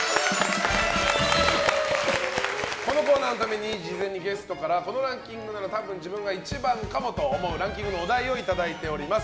このコーナーのために事前にゲストからこのランキングなら多分自分が１番かもと思うランキングのお題をいただいております。